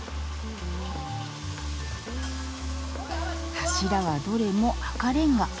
柱はどれも赤レンガ。